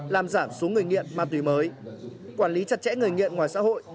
làm giảm số người nghiện ma túy mới quản lý chặt chẽ người nghiện ngoài xã hội